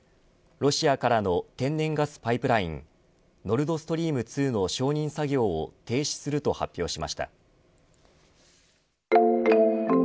ロシアからの天然ガスパイプラインノルドストリーム２の承認作業を停止すると発表しました。